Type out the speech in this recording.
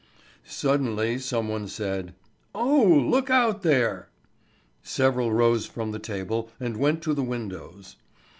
Suddenly some one said: "Oh, look out there!" Several rose from the table and went to the windows.